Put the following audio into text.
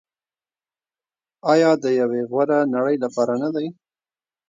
آیا د یوې غوره نړۍ لپاره نه دی؟